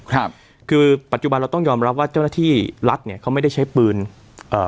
ครับคือปัจจุบันเราต้องยอมรับว่าเจ้าหน้าที่รัฐเนี้ยเขาไม่ได้ใช้ปืนเอ่อ